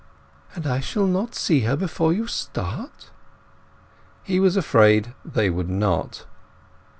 "And I shall not see her before you start?" He was afraid they would not.